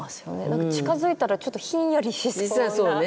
何か近づいたらちょっとひんやりしそうな感じが。